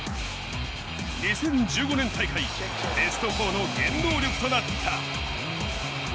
２０１５年大会、ベスト４の原動力となった。